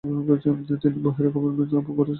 তিনি বুহাইরা গভর্নরেটের আবু-খারাশ গ্রাম থেকে এসেছিলেন।